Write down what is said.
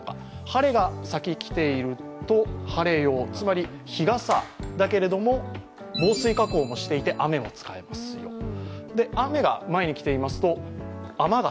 晴れが先に来ていると晴れ用、つまり日傘だけれども防水加工もしていて雨も使えますよと。